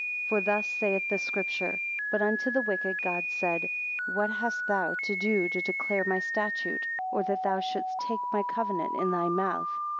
10 For thus saith the Scripture, But unto the wicked, God said, What hast thou to do to declare my statute, or that thou shouldst take my covenant in thy mouth?